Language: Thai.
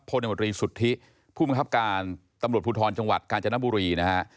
พดสุธิผู้บัญชาการตำรวจพูทรจังหวัดกาญจนบุรี